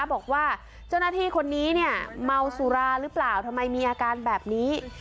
บอกว่าเจ้าหน้าที่คนนี้เนี่ยเมาสุราหรือเปล่าทำไมมีอาการแบบนี้